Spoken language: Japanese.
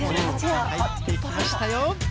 入っていきましたよ。